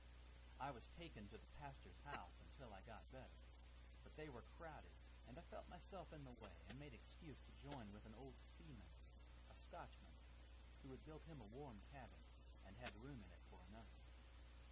I was taken to the pastor's house until I got better; but they were crowded, and I felt myself in the way, and made excuse to join with an old seaman, a Scotchman, who had built him a warm cabin, and had room in it for another.